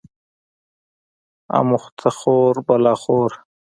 اموخته خور بلا خور